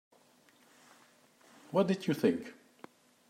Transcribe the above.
What did you think?